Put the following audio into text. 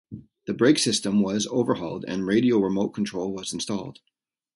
The brake system was overhauled and radio remote control was installed.